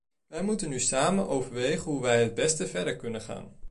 Wij moeten nu samen overwegen hoe wij het beste verder kunnen gaan.